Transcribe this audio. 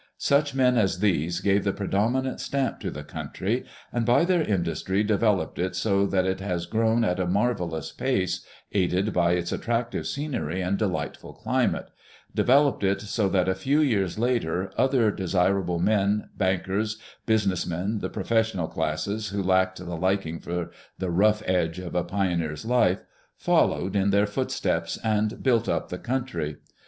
Such men as these gave the predominant stamp to the country, and by their industry developed it so that it has grown at a marvelous pace, aided by its attractive scenery and de lightful climate — developed it so that a few years later other de sirable men, bankers, business men, the professional classes who lacked the liking for the rough edge of a pioneer's life, followed in their footsteps and built up the country.